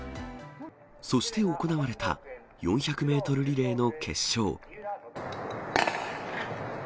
そして行われた４００メートルリレーの決勝。